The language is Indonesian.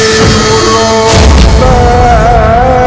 baik ayahanda prabu